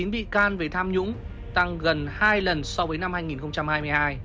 hai bảy mươi chín bị can về tham nhũng tăng gần hai lần so với năm hai nghìn hai mươi hai